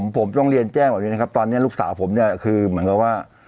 ผมต้องเรียนแจ้งแบบนี้นะครับตอนนี้ลูกสาวผมเนี่ยคือเหมือนกับว่า